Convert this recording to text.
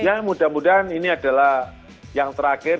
ya mudah mudahan ini adalah yang terakhir